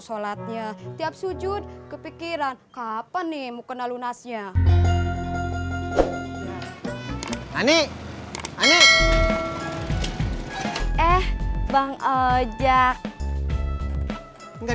sholatnya tiap sujud kepikiran kapan nih mukena lunasnya ani ani eh bang ojak nggak